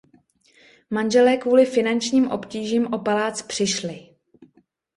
Manželé kvůli finančním obtížím o palác přišli.